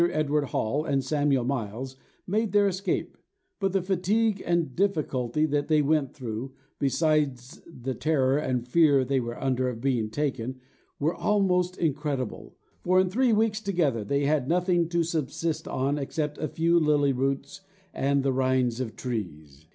Edward Hall and Samuel Myals, made their escape; but the fatigue and difficulty that they went through (besides the terror and fear they were under of being taken) were almost incredible; for in three weeks together, they had nothing to subsist on except a few lily roots, and the rinds of trees.